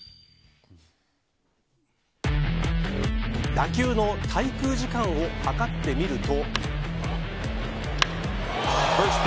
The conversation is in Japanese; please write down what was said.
打球の滞空時間を測ってみると。